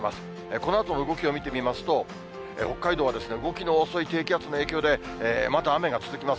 このあとの動きを見てみますと、北海道は動きの遅い低気圧の影響で、まだ雨が続きます。